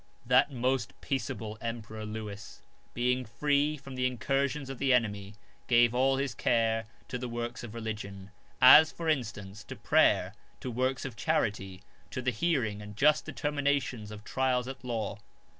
That most peaceable emperor Lewis, being free from the incursions of the enemy, gave all his care to works of religion, as, for instance, to prayer, to works of charity, to the hearing and just determinations of trials at law.